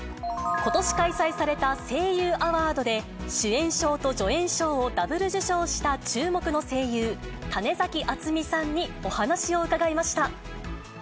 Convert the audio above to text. ことし開催された声優アワードで、主演賞と助演賞をダブル受賞した注目の声優、種崎敦美さんにお話を伺いました。